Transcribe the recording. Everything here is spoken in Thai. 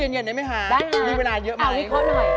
พี่เย็นได้ไหมคะมีเวลาเยอะไหมอันนี้๕กรัมครับ